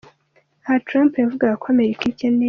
Aha Trump yavugaga ko Amerika ikeneye.